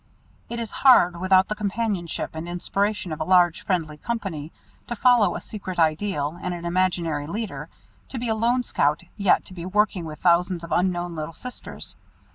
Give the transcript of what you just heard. It is hard, without the companionship and inspiration of a large friendly company, to follow a secret ideal and an imaginary leader, to be a lone scout yet to be working with thousands of unknown little sisters.